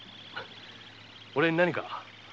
俺に何か？